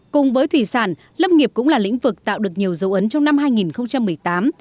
cùng với thủy sản lâm nghiệp cũng là lĩnh vực tạo được nhiều dấu ấn trong năm hai nghìn một mươi tám